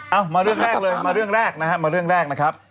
เอามาเรื่องแรกเลยมาเรื่องแรกนะฮะมาเรื่องแรกนะครับ